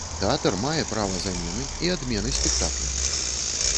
Тэатр мае права замены і адмены спектакля!